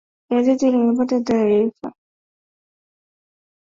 Gazeti limepata taarifa kuwa Kenya na Uganda walikataa uamuzi wa zoezi la uhakiki